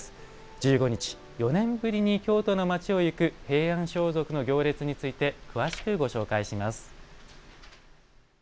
１５日４年ぶりに京都の街を行く平安装束の行列について詳しくご紹介します。